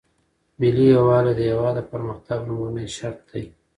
ملي یووالی د هیواد د پرمختګ لومړنی شرط دی.